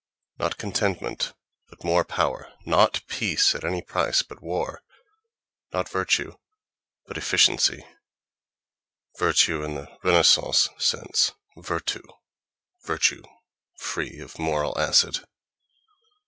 Not contentment, but more power; not peace at any price, but war; not virtue, but efficiency (virtue in the Renaissance sense, virtu, virtue free of moral acid).